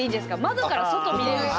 窓から外見れるし。